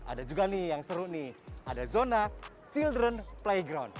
ada juga nih yang seru nih ada zona xildren playground